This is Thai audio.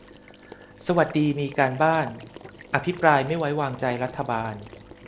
สวัสดีมีการบ้าน อภิปรายไม่ไว้วางใจรัฐบาล